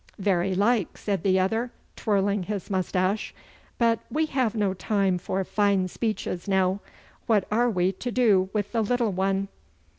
'Very like,' said the other, twirling his moustache. 'But we have no time for fine speeches now. What are we to do with the little one?